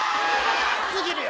すぎるよ。